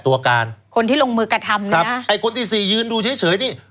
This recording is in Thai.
ตัวการคนที่ลงมือกระทำนะไอ้คนที่สี่ยืนดูเฉยเฉยนี่